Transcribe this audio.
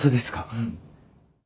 うん。